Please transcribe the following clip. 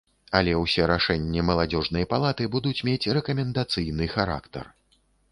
Але ўсе рашэнні маладзёжнай палаты будуць мець рэкамендацыйны характар.